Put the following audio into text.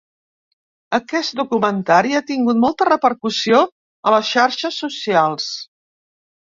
Aquest documentari ha tingut molta repercussió a les xarxes socials.